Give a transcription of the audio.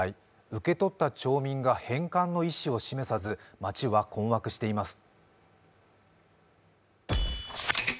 受け取った町民が返還の意思を示さず、町は困惑しています。